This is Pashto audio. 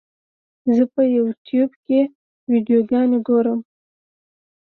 زه په یوټیوب کې ویډیوګانې ګورم.